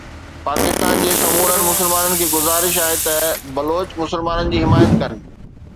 پاڪستان جي سمورن مسلمانن کي گذارش آهي ته بلوچ مسلمانن جي حمايت ڪن.